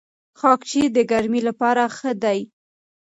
خاکشیر د ګرمۍ لپاره ښه دی.